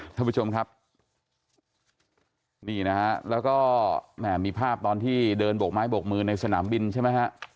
ท่านผู้ชมครับนี่นะฮะแล้วก็แหม่มีภาพตอนที่เดินบกไม้บกมือในสนามบินใช่ไหมฮะ